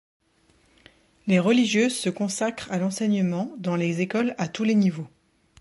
Les religieuses se consacrent à l'enseignement dans les écoles à tous les niveaux.